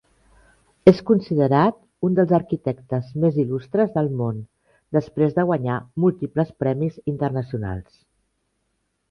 És considerat un dels arquitectes més il·lustres del món, després de guanyar múltiples premis internacionals.